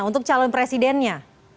untuk calon presidennya